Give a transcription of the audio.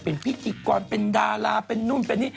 เป็นพิธีกรเป็นดาราเป็นนู่นเป็นนี่